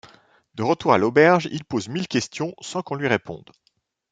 De retour à l’auberge, il pose mille questions sans qu’on lui réponde.